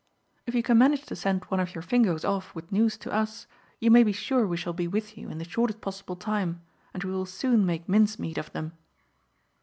"If you can manage to send one of your Fingoes off with news to us, you may be sure we shall be with you in the shortest possible time, and we will soon make mincemeat of them."